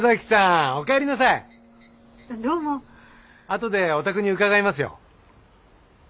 あとでお宅に伺いますよ。